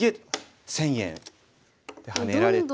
１，０００円。でハネられて。